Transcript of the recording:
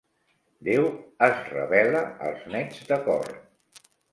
Déu es revela als nets de cor.